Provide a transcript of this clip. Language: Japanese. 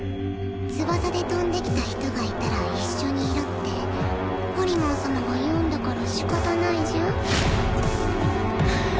翼で飛んできた人がいたら一緒にいろってポリマン様が言うんだからしかたないじゃんフッ